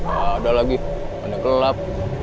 ada lagi ada gelap